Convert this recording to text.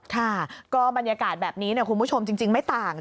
ค่ะก็บรรยากาศแบบนี้คุณผู้ชมจริงไม่ต่าง